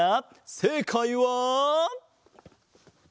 せいかいは。